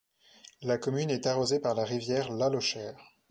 La commune est arrosée par la rivière la Lochère.